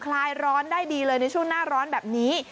คลายร้อนได้ดีเลยในช่วงหน้าร้อนแบบนี้